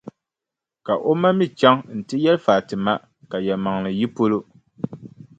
Ka o ma mi chaŋ nti yɛli Fati ma ka yɛlimaŋli yi polo.